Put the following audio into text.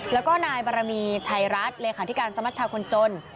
แล้วก็นายบารมีชัยรัฐเลขาธิการสมัชชาคนจน